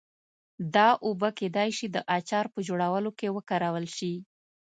دا اوبه کېدای شي د اچار په جوړولو کې وکارول شي.